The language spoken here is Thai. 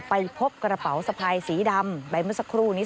ไปพบกระเป๋าสะพายสีดำใบเมื่อสักครู่นี้